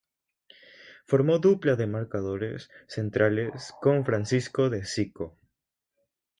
Formó dupla de marcadores centrales con Francisco De Cicco.